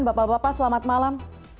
bapak bapak selamat malam